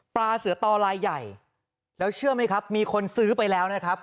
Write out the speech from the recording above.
เสือต่อลายใหญ่แล้วเชื่อไหมครับมีคนซื้อไปแล้วนะครับ